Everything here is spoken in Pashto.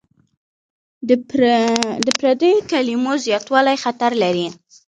د پردیو کلمو زیاتوالی خطر لري.